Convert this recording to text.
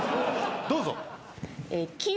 どうぞ。